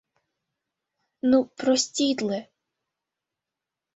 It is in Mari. Ну, проститле.